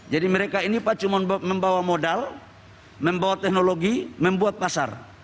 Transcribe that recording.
jadi mereka ini pak cuman membawa modal membawa teknologi membuat pasar